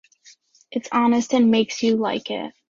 It's honest and makes you like it.